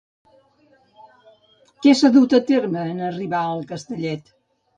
Què s'ha dut a terme en arribar al Castellet?